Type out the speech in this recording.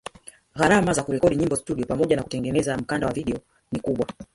Gharama za kurekodi nyimbo studio pamoja na kutengeneza mkanda wa video ni kubwa